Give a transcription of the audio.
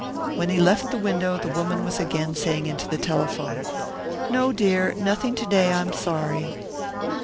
When he left the window the woman was again saying into the telephone, "No, dear, nothing to day. I'm sorry."